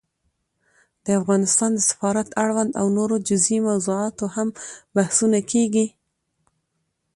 د افغانستان د سفارت اړوند او نورو جزيي موضوعاتو هم بحثونه کېږي